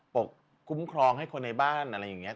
คุ้มครองให้คนในบ้านอะไรอย่างนี้